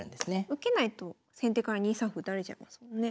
受けないと先手から２三歩打たれちゃいますもんね。